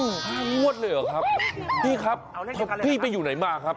ห้างวดเลยเหรอครับพี่ครับพี่ไปอยู่ไหนมาครับ